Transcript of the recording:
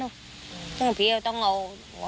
ไม่ใช่เรื่องนี้คุณน้อยต่างหล่ะ